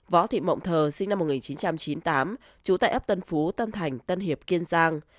võ thị mộng thờ sinh năm một nghìn chín trăm chín mươi tám trú tại ấp tân phú tân thành tân hiệp kiên giang